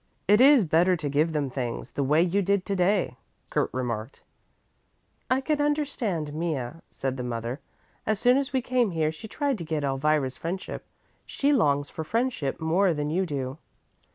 "It is better to give them things, the way you did to day," Kurt remarked. "I can understand Mea," said the mother. "As soon as we came here she tried to get Elvira's friendship. She longs for friendship more than you do."